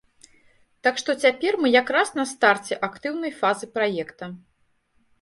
Так што цяпер мы якраз на старце актыўнай фазы праекта.